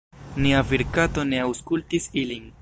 Nia virkato ne aŭskultis ilin.